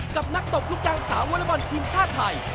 กับนักตบลูกยางสาววอเล็กบอลทีมชาติไทย